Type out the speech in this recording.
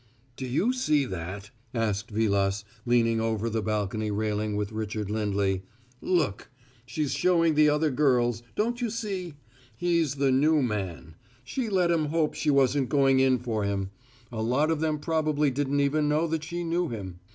"Do you see that?" asked Vilas, leaning over the balcony railing with Richard Lindley. "Look! She's showing the other girls don't you see? He's the New Man; she let 'em hope she wasn't going in for him; a lot of them probably didn't even know that she knew him.